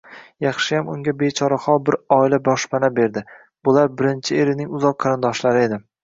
Yaxshiyam unga bechorahol bir oila boshpana berdi, bular birinchi erining uzoq qarindoshlari edi